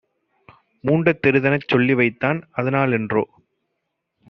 மூண்டதெருனச் சொல்லிவைத்தான்! அதனா லன்றோ